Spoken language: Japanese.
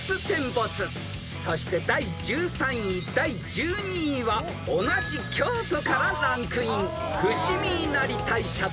［そして第１３位第１２位は同じ京都からランクイン］